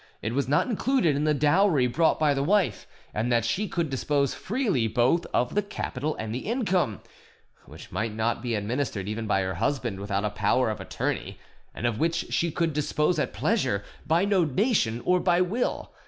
it was not included in the dowry brought by the wife, and that she could dispose freely both of the capital and the income, which might not be administered even by her husband without a power of attorney, and of which she could dispose at pleasure, by donation or by will.